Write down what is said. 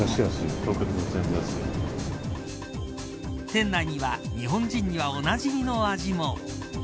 店内には日本人にはおなじみの味も。